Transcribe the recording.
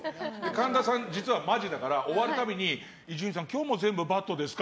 神田さん、実はマジだから終わるたびに今日も全部バッドですか？